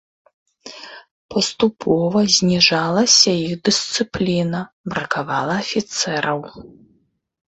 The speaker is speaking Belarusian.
Паступова зніжалася іх дысцыпліна, бракавала афіцэраў.